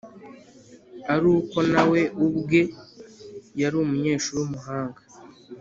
ari uko na we ubwe yari umunyeshuri w’umuhanga